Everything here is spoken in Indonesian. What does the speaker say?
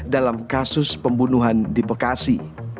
dalam kasus pembunuhan di bekasi